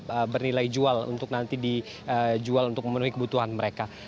dan juga bernilai jual untuk nanti dijual untuk memenuhi kebutuhan mereka